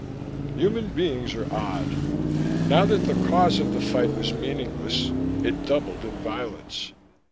Human beings are odd. Now that the cause of the fight was meaningless, it doubled in violence.